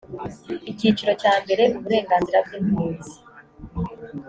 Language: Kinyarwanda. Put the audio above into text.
icyiciro cya mbere uburenganzira bw impunzi